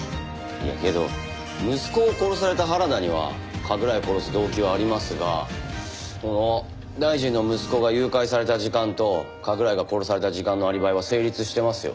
いやけど息子を殺された原田には加倉井を殺す動機はありますがこの大臣の息子が誘拐された時間と加倉井が殺された時間のアリバイは成立してますよ。